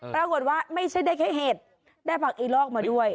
ปรากฏว่าไม่ใช่ได้แค่เห็ดได้ผักอีลอกมาด้วย